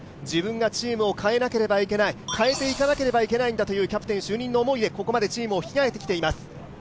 自分がチームを変えなければいけない、変えていかなければいけないんだという思いでキャプテン就任の思いでここまでチームを引き上げてきています。